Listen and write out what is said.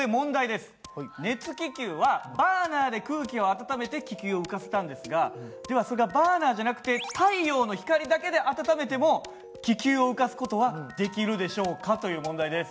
熱気球はバーナーで空気を温めて気球を浮かせたんですがではそれがバーナーじゃなくて太陽の光だけで温めても気球を浮かす事はできるでしょうかという問題です。